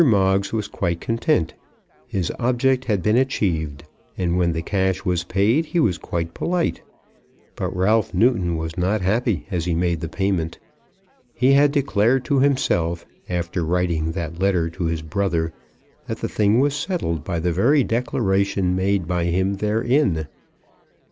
Moggs was quite content. His object had been achieved, and, when the cash was paid, he was quite polite. But Ralph Newton was not happy as he made the payment. He had declared to himself, after writing that letter to his brother, that the thing was settled by the very declaration made by him therein.